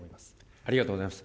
ありがとうございます。